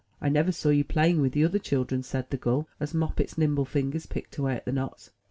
I never saw you playing with the other children," said the gull, as Moppet's nimble fingers picked away at the knots.